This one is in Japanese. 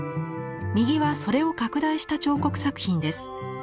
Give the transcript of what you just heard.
右はそれを拡大した彫刻作品です。